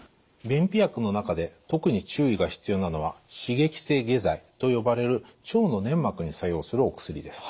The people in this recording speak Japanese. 便秘薬の中で特に注意が必要なのは刺激性下剤と呼ばれる腸の粘膜に作用するお薬です。